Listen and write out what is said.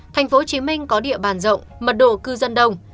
tp hcm có địa bàn rộng mật độ cư dân đông